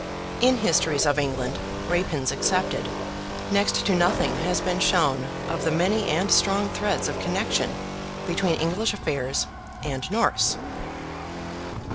In Histories of England (Rapin's excepted) next to nothing has been shown of the many and strong threads of connection between English affairs and Norse.